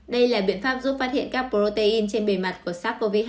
đây là biện pháp giúp phát hiện các protein trên bề mặt của sars cov hai